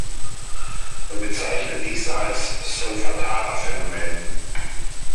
Man bezeichnet dies als „Solfatara-Phänomen“.